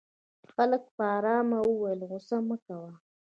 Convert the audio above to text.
هلک په آرامه وويل غوسه مه کوه.